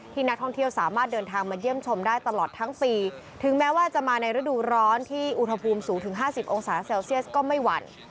นักท่องเที่ยวสามารถเดินทางมาเยี่ยมชมได้ตลอดทั้งปีถึงแม้ว่าจะมาในฤดูร้อนที่อุณหภูมิสูงถึง๕๐องศาเซลเซียสก็ไม่หวั่น